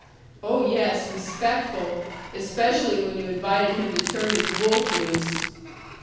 "Oh, yes, respectful! Especially when you invited him to turn his wolf loose."